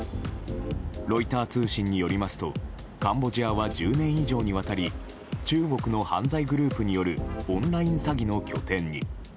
ロイター通信によりますとカンボジアは１０年以上にわたり中国の犯罪グループによるオンライン詐欺の拠点に。